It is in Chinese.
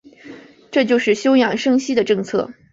这就是休养生息的政策。